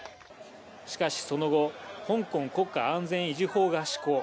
しかし、その後、香港国家安全維持法が施行。